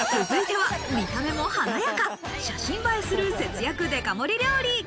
続いては、見た目も華やか、写真映えする節約デカ盛り料理。